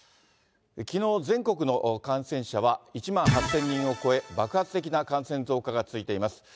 きのう、全国の感染者は１万８０００人を超え、爆発的な感染増加が続いています。